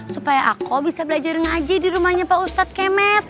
supaya aku bisa belajar ngaji di rumahnya pak ustadz kemet